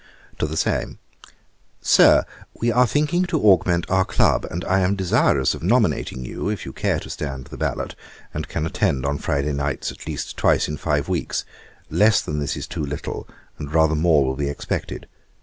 To the same. 'Sir, 'We are thinking to augment our club, and I am desirous of nominating you, if you care to stand the ballot, and can attend on Friday nights at least twice in five weeks: less than this is too little, and rather more will be expected.